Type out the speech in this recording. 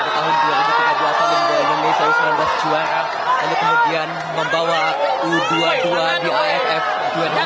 lalu diikuti oleh manajer timnas kombes sumarji